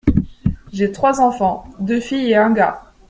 J’ai trois enfants, deux filles et un gars.